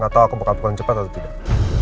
gak tau aku mau kaburkan cepat atau tidak